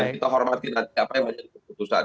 kita hormati nanti apa yang menjadi keputusan